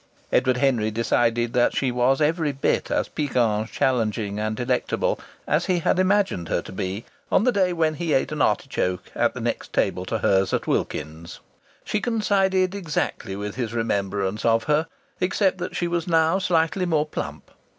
Edward Henry decided that she was every bit as piquant, challenging and delectable as he had imagined her to be on the day when he ate an artichoke at the next table to hers at Wilkins's. She coincided exactly with his remembrance of her, except that she was now slightly more plump.